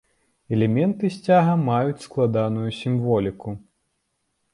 Элементы сцяга маюць складаную сімволіку.